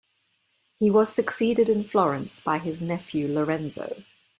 He was succeeded in Florence by his nephew Lorenzo.